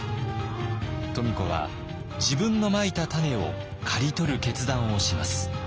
富子は自分のまいた種を刈り取る決断をします。